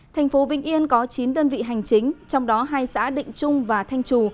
thành phố vĩnh yên có chín đơn vị hành chính trong đó hai xã định trung và thanh trù